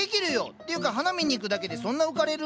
っていうか花見に行くだけでそんな浮かれる？